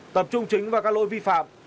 tập trung chính vào các lỗi vi phạm